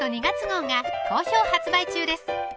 ２月号が好評発売中です